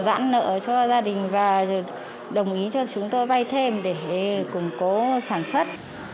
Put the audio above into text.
giãn nợ cho gia đình và đồng ý cho chúng tôi vay thêm để củng cố sản xuất